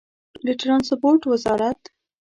د ټرانسپورټ وزارت